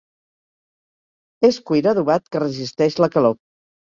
És cuir adobat que resisteix la calor.